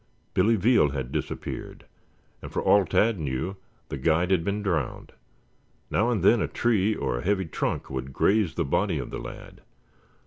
Billy Veal had disappeared, and for all Tad knew the guide had been drowned. Now and then a tree or a heavy trunk would graze the body of the lad.